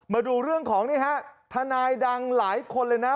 มาดูเรื่องของนี่ฮะทนายดังหลายคนเลยนะ